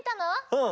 うん！